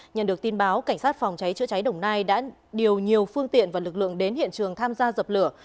nhận được tin báo cảnh sát phòng cháy chữa cháy đồng nai đã điều nhiều phương tiện và lực lượng đến hiện trường tham gia dập lửa